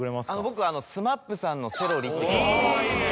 僕はＳＭＡＰさんの「セロリ」って曲をいいね